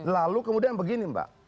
lalu kemudian begini mbak